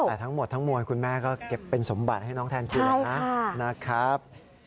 แต่ทั้งหมดทั้งมวลคุณแม่ก็เก็บเป็นสมบัติให้น้องแทนจริงนะครับ